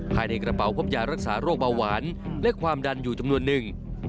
ภายในกระเป๋าพบยารักษาโรคเบาหวานและความดันอยู่จำนวนหนึ่ง